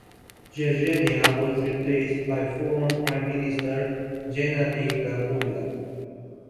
Jergenia was replaced by former Prime Minister Gennady Gagulia.